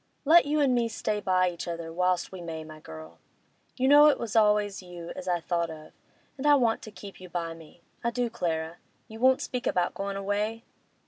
Let you an' me stay by each other whilst we may, my girl. You know it was always you as I thought most of, and I want to keep you by me—I do, Clara. You won't speak about goin' away?